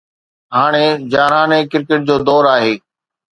هاڻي جارحاڻي ڪرڪيٽ جو دور آهي.